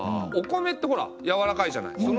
お米ってほらやわらかいじゃない。